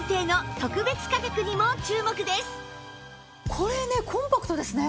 さあこれねコンパクトですね。